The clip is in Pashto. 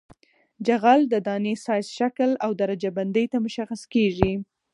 جغل د دانې سایز شکل او درجه بندۍ ته مشخص کیږي